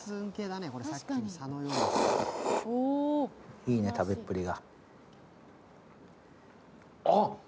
いいね、食べっぷりが。